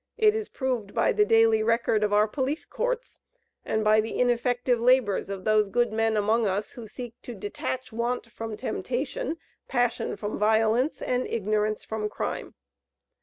It is proved by the daily record of our police courts, and by the ineffective labors of those good men among us, who seek to detach want from temptation, passion from violence, and ignorance from crime.